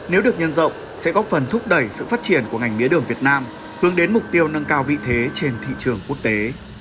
nếu được nhân rộng sẽ góp phần thúc đẩy sự phát triển của ngành mía đường việt nam hướng đến mục tiêu nâng cao vị thế trên thị trường quốc tế